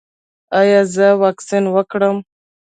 ایا زه واکسین وکړم؟